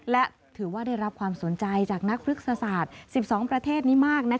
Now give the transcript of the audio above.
และถือว่าได้รับความสนใจจากนักพฤกษศาสตร์๑๒ประเทศนี้มาก